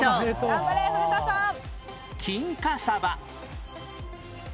頑張れ古田さん！